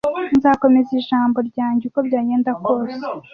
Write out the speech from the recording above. Nzakomeza ijambo ryanjye, uko byagenda kose.